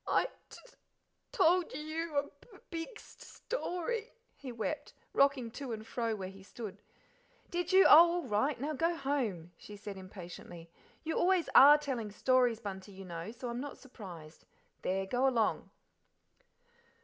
"I t t told y y you a b b big st st story;" he wept, rocking to and fro where he stood. "Did you? Oh, all right! Now go home," she said impatiently. "You always ARE telling stories, Bunty, you know, so I'm not surprised. There go along."